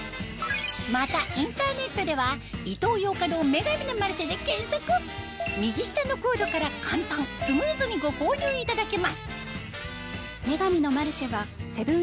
またインターネットでは右下のコードから簡単スムーズにご購入いただけます